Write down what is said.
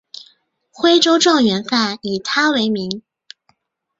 徽州状元饭以他为名。